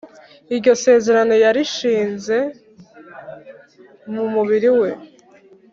Iryo sezerano yarishinze mu mubiri we,